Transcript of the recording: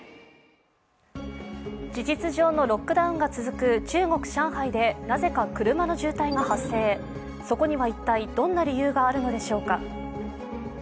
事実上のロックダウンが続く中国・上海でなぜか車の渋滞が発生そこには一体、どんな理由があるのでしょうか。